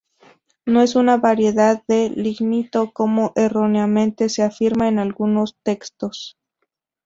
No es una variedad de lignito como erróneamente se afirma en algunos textos.